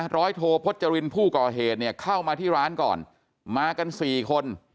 โทพจรินผู้ก่อเหตุเนี่ยเข้ามาที่ร้านก่อนมากันสี่คน